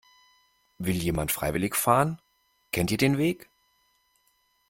Will jemand freiwillig fahren? Kennt ihr den Weg?